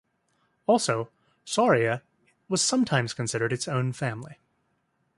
Also, "Saurauia" was sometimes considered its own family.